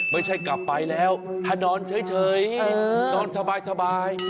ไม่ใช่กลับไปแล้วถ้านอนเฉยนอนสบาย